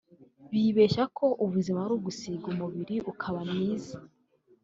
bibeshya ko ubuzima ari gusiga umubiri ukaba mwiza